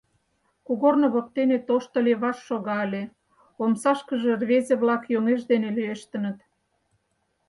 Кугорно воктене тошто леваш шога ыле, омсашкыже рвезе-влак йоҥеж дене лӱештыныт.